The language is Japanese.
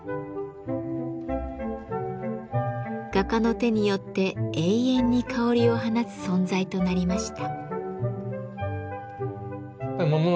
画家の手によって永遠に香りを放つ存在となりました。